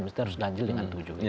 mesti harus ganjil dengan tujuh